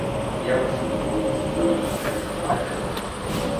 Я висунув голову з тіні й крадькома глянув.